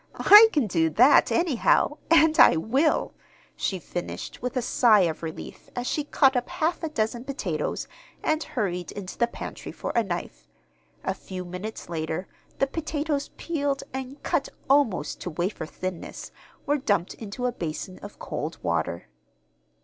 "I can do that, anyhow; and I will," she finished, with a sigh of relief, as she caught up half a dozen potatoes and hurried into the pantry for a knife. A few minutes later, the potatoes, peeled, and cut almost to wafer thinness, were dumped into a basin of cold water.